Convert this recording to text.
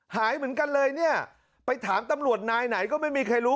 หายเหมือนกันเลยเนี่ยไปถามตำรวจนายไหนก็ไม่มีใครรู้